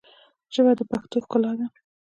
ژبه د پښتو ښکلا ده